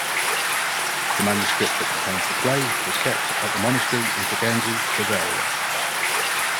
The manuscript that contains the play was kept at the monastery in Tegernsee, Bavaria.